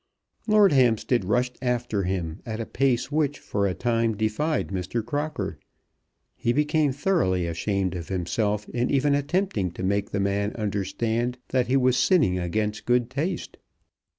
Lord Hampstead rushed after him at a pace which, for a time, defied Mr. Crocker. He became thoroughly ashamed of himself in even attempting to make the man understand that he was sinning against good taste.